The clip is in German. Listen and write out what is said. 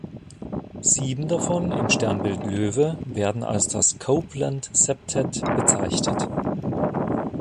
Sieben davon im Sternbild Löwe werden als das "Copeland-Septett" bezeichnet.